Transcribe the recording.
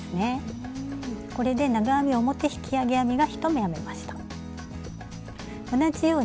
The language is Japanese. これで長編み表引き上げ編みが１目編めました。